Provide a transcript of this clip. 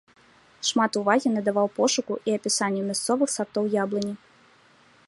Шмат увагі надаваў пошуку і апісанню мясцовых сартоў яблыні.